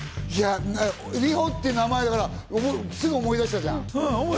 いや、里穂って名前、すぐ思い出したじゃん。